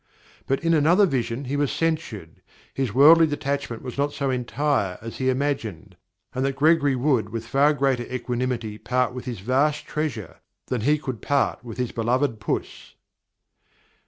But in another vision he was censured; his worldly detachment was not so entire as he imagined, and that Gregory would with far greater equanimity part with his vast treasures than he could part with his beloved puss."